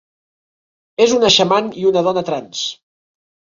És una xaman i una dona trans.